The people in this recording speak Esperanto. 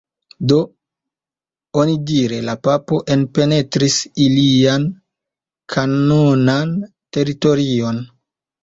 Do, onidire la papo enpenetris ilian kanonan teritorion.